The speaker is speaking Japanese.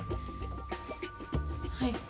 はい。